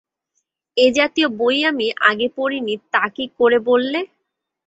এ জাতীয় বই আমি আগে পড়িনি তা কি করে বললে?